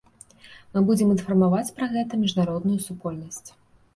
Мы будзем інфармаваць пра гэта міжнародную супольнасць.